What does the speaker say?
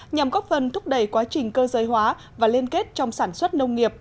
nhằm góp phần thúc đẩy quá trình cơ giới hóa và liên kết trong sản xuất nông nghiệp